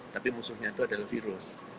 tapi musuhnya itu adalah virus